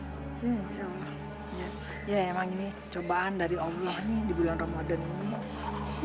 ya ya emang gini cobaan dari allah nih di bulan ramadhan ini